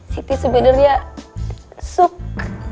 siti sebenernya suk